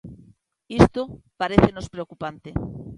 Isto parécenos preocupante.